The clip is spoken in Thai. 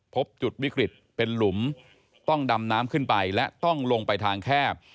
พบจุดวิกฤตเป็นหลุมต้องดำน้ำขึ้นไปและต้องลงไปทางแคบ